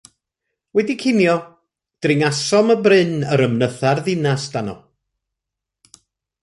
Wedi cinio, dringasom y bryn yr ymnytha'r ddinas dano.